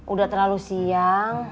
udah terlalu siang